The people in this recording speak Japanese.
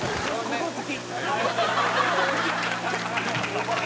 ここ好き。